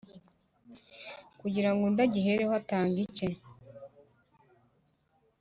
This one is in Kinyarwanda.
kugira ngo undi agihereho atanga ike